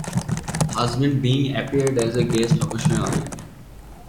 Husband Bing appeared as a guest occasionally.